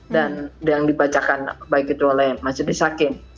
dan yang dibacakan baik itu oleh majelis hakim